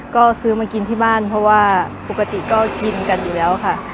ก็ซื้อมากินที่บ้านเพราะว่าปกติก็กินกันอยู่แล้วค่ะ